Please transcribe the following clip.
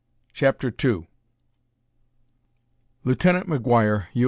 CHAPTER II Lieutenant McGuire, U.